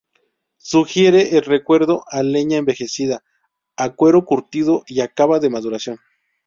Sugiere el recuerdo a leña envejecida, a cuero curtido y a cava de maduración.